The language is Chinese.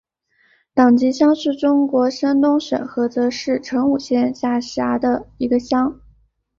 党集乡是中国山东省菏泽市成武县下辖的一个乡。